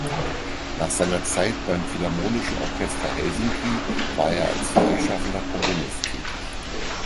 Nach seiner Zeit beim "Philharmonischen Orchester Helsinki" war er als freischaffender Komponist tätig.